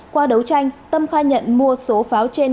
qua đấu tranh tâm khai nhận mua số pháo trên